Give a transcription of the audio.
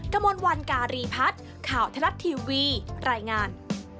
กระมวลวันการีพัฒน์ข่าวทรัฐทีวีรายงาน